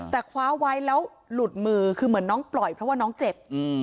แต่คว้าไว้แล้วหลุดมือคือเหมือนน้องปล่อยเพราะว่าน้องเจ็บ